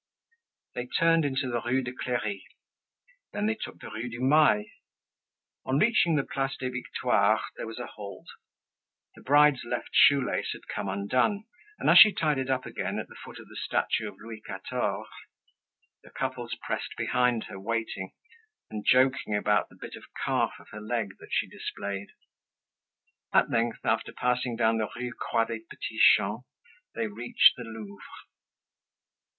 They turned into the Rue de Clery. Then they took the Rue du Mail. On reaching the Place des Victoires, there was a halt. The bride's left shoe lace had come undone, and as she tied it up again at the foot of the statue of Louis XIV., the couples pressed behind her waiting, and joking about the bit of calf of her leg that she displayed. At length, after passing down the Rue Croix des Petits Champs, they reached the Louvre.